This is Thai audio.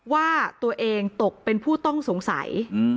ว่าตัวเองตกเป็นผู้ต้องสงสัย